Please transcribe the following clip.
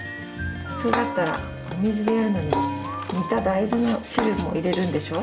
普通だったらお水でやるのに煮た大豆の汁も入れるんでしょ？